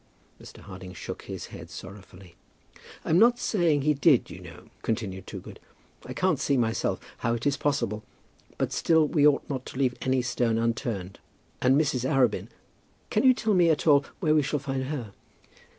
Mr. Harding shook his head sorrowfully. "I'm not saying he did, you know," continued Mr. Toogood. "I can't see myself how it is possible; but still, we ought not to leave any stone unturned. And Mrs. Arabin, can you tell me at all where we shall find her?"